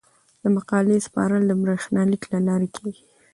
د مقالې سپارل د بریښنالیک له لارې کیږي.